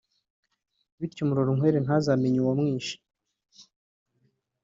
bityo Murorunkwere ntazamenye uwamwishe